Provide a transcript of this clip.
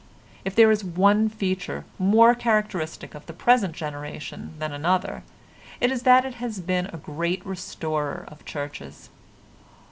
If there is one feature more characteristic of the present generation than another it is that it has been a great restorer of churches.